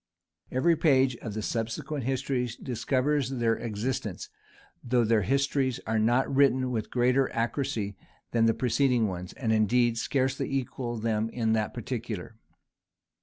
Every page of the subsequent histories discovers their existence; though these histories are not written with greater accuracy than the preceding ones, and indeed scarcely equal them in that particular.